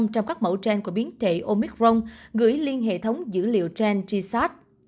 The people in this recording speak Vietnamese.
trong các mẫu gen của biến thể omicron gửi liên hệ thống dữ liệu gen g sat